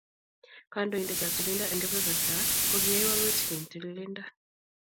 Kandoinatetab tililindo eng kebeberatak kokiyai walutiik eng tililindo.